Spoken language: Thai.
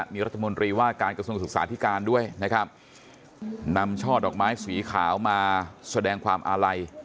มีรัฐมนตรีว่าการกระทรวงศึกษาธิการด้วยนะครับนำช่อดอกไม้สีขาวมาแสดงความอาลัย